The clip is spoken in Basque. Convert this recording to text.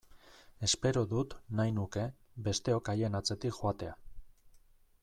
Espero dut, nahi nuke, besteok haien atzetik joatea!